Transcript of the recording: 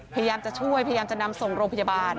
พยายามจะช่วยพยายามจะนำส่งโรงพยาบาล